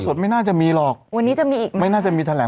ท่อสดไม่น่าจะมีหรอกไม่น่าจะมีแถลง